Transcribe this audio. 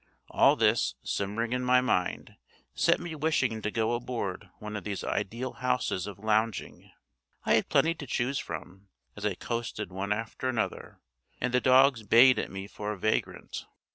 All this, simmering in my mind, set me wishing to go aboard one of these ideal houses of lounging. I had plenty to choose from, as I coasted one after another, and the dogs bayed at me for a vagrant.